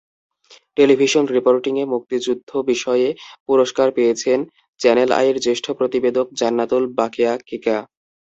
Television রিপোর্টিংয়ে মুক্তিযুদ্ধ বিষয়ে পুরস্কার পেয়েছেন চ্যানেল আইয়ের জ্যেষ্ঠ প্রতিবেদক জান্নাতুল বাকেয়া কেকা।